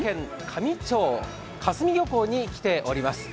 香住漁港に来ております。